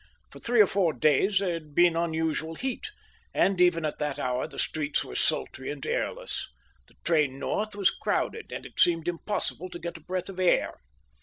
For three or four days there had been unusual heat, and even at that hour the streets were sultry and airless. The train north was crowded, and it seemed impossible to get a breath of air.